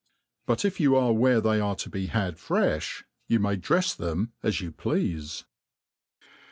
But if you are where ^ey are tp be had frefli, you may drefs them as you pleafe.